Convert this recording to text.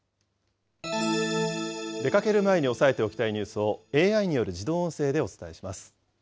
出かける前に押さえておきたいニュースをＡＩによる自動音声